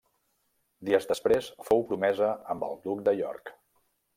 Dies després fou promesa amb el duc de York.